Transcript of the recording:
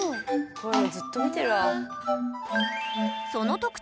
こういうのずっと見てるわ。